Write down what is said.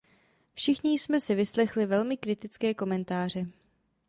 Všichni jsme si vyslechli velmi kritické komentáře.